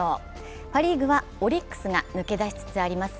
パ・リーグはオリックスが抜け出しつつあります。